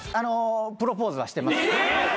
プロポーズはしてます。